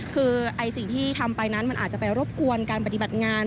คือสิ่งที่ทำไปนั้นมันอาจจะไปรบกวนการปฏิบัติงาน